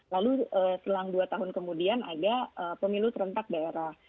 lalu selang dua tahun kemudian ada pemilu serentak daerah